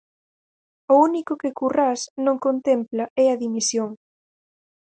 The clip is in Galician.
O único que Currás non contempla é a dimisión.